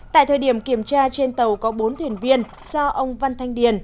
tại thời điểm kiểm tra trên tàu có bốn thuyền viên do ông văn thanh điền